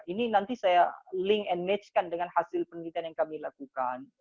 ini nanti saya link and match kan dengan hasil penelitian yang kami lakukan